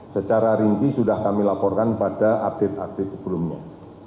secara rinci sudah kami laporkan pada update update sebelumnya